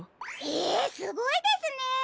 へえすごいですね！